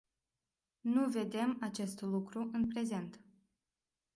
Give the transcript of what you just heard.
Nu vedem acest lucru în prezent.